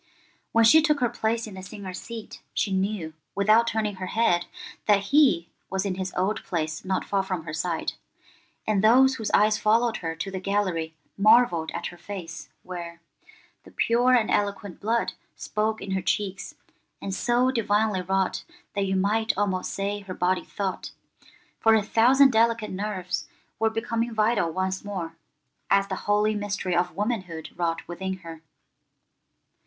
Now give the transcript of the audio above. When she took her place in the singers' seat she knew, without turning her head, that he was in his old place not far from her side, and those whose eyes followed her to the gallery marvelled at her face, where— 'The pure and eloquent blood Spoke in her cheeks, and so divinely wrought That you might almost say her body thought;' for a thousand delicate nerves were becoming vital once more, as the holy mystery of womanhood wrought within her.